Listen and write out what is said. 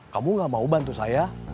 kamu gak mau bantu saya